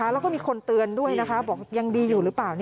แล้วก็มีคนเตือนด้วยนะคะบอกยังดีอยู่หรือเปล่า